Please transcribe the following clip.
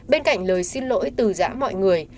bên cạnh lời xin lỗi từ giã mọi người